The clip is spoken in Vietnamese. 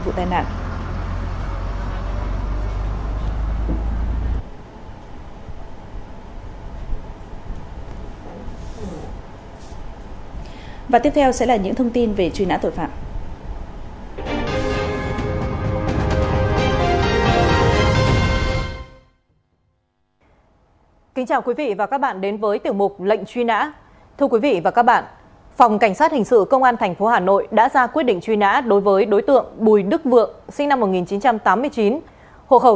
và tiếp theo sẽ là những thông tin về truy nã tội phạm